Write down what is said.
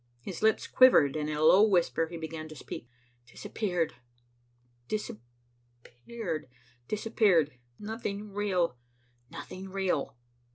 His lips quivered, and in a low whisper he began to speak. "Disappeared, disappeared, disappeared. Nothing real, nothing real."